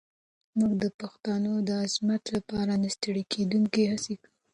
موږ د پښتو د عظمت لپاره نه ستړې کېدونکې هڅې کوو.